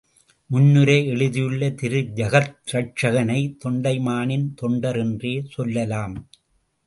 முன்னுரை எழுதியுள்ள திரு ஜகத்ரட்சகனை தொண்டைமானின் தொண்டர் என்றே சொல்லலாம்.